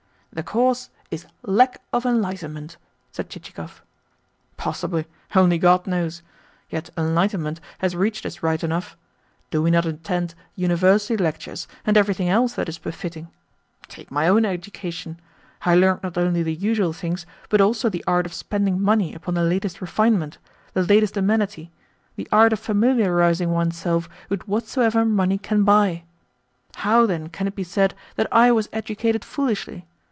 "The cause is lack of enlightenment," said Chichikov. "Possibly only God knows. Yet enlightenment has reached us right enough. Do we not attend university lectures and everything else that is befitting? Take my own education. I learnt not only the usual things, but also the art of spending money upon the latest refinement, the latest amenity the art of familiarising oneself with whatsoever money can buy. How, then, can it be said that I was educated foolishly?